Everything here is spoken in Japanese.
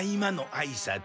あいさつ？